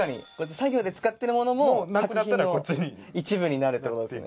作業で使ってる物も作品の一部になるってことですね。